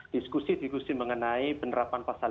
diskusi diskusi mengenai penerapan pasal lima puluh lima